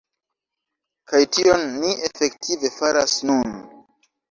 Kaj tion ni efektive faras nun.